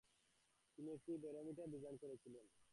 তিনি একটি barometer design করেছিলেন।